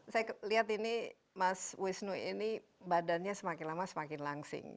saya lihat ini mas wisnu ini badannya semakin lama semakin langsing